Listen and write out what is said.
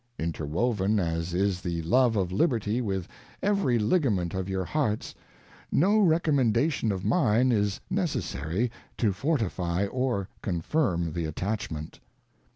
Interwoven as is the love of liberty with every ligament of your hearts, no recom mendation of mine is necessary to fortify or confirm the attachment.